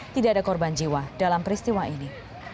tidak ada korban jiwa dalam peristiwa ini